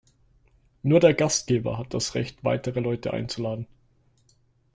Nur der Gastgeber hat das Recht, weitere Leute einzuladen.